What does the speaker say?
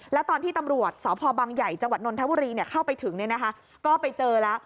แล้วตอนที่ตำรวจสพบางใหญ่จนนแถวบุรีค้อไปถึงนี่ก็ไปเจอละ